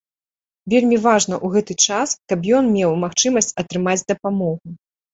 Вельмі важна ў гэты час, каб ён меў магчымасць атрымаць дапамогу.